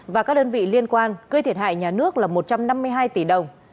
và các đơn vị liên quan gây thiệt hại nhà nước là một trăm năm mươi hai tỷ đồng